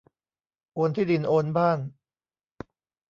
โอนที่ดินโอนบ้าน